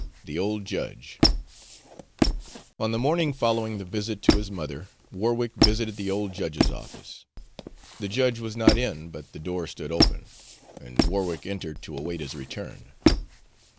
III THE OLD JUDGE On the morning following the visit to his mother, Warwick visited the old judge's office. The judge was not in, but the door stood open, and Warwick entered to await his return.